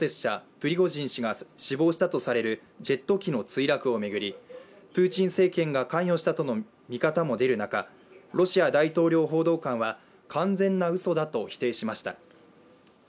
プリゴジン氏が死亡したとされるジェット機の墜落を巡り、プーチン政権が関与したとの見方も出る中、ロシア大統領報道官は完全なうそだと否定しました。